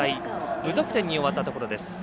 無得点に終わったところです。